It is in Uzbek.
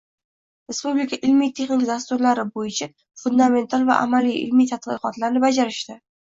respublika ilmiy-texnik dasturlari bo`yicha fundamental va amaliy ilmiy tadqiqotlarni bajarishda